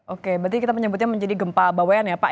oke berarti kita menyebutnya menjadi gempa bawayan ya pak